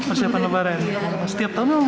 persiapan lebaran setiap tahun